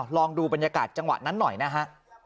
ลองดูบรรยากาศจังหวะนั้นหน่อยนะฮะ